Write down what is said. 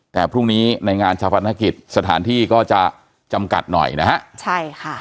แต่พรุ่งนี้ในงานเฉพาะนักกิจสถานที่ก็จะจำกัดหน่อยนะฮะ